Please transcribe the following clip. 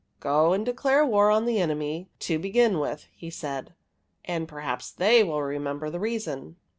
'' Go and declare war on the enemy, to begin with," he said ;'' and perhaps fkey will remem ber the reason.''